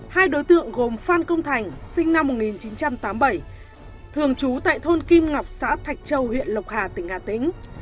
hai đối tượng gồm phan công thành sinh năm một nghìn chín trăm tám mươi bảy thường trú tại thôn kim ngọc xã thạch châu huyện lộc hà tỉnh hà tĩnh